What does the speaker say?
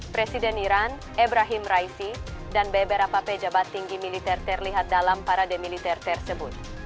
presiden iran ebrahim raisi dan beberapa pejabat tinggi militer terlihat dalam parade militer tersebut